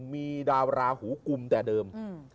มีดาวราหูกุมแต่เดิม